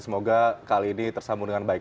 semoga kali ini tersambung dengan baik